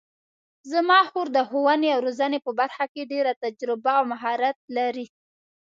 زما خور د ښوونې او روزنې په برخه کې ډېره تجربه او مهارت لري